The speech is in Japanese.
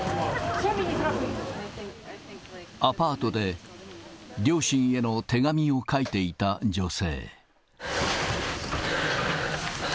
アパートで両親への手紙を書いていた女性。